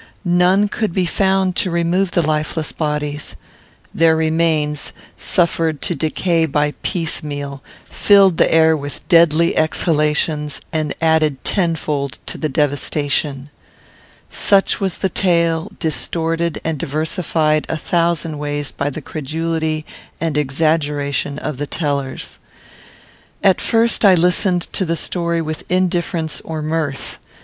None could be found to remove the lifeless bodies. Their remains, suffered to decay by piecemeal, filled the air with deadly exhalations, and added tenfold to the devastation. Such was the tale, distorted and diversified a thousand ways by the credulity and exaggeration of the tellers. At first I listened to the story with indifference or mirth.